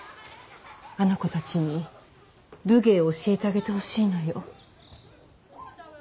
あの子たちに武芸を教えてあげてほしいのよ。